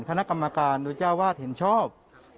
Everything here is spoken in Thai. คณะกรรมการโดยเจ้าวาดเห็นชอบ